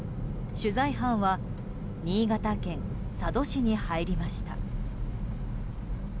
取材班は新潟県佐渡市に入りました。